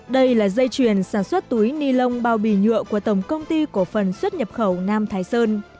đây là dây chuyền sản xuất túi ni lông bao bì nhựa của tổng công ty cổ phần xuất nhập khẩu nam thái sơn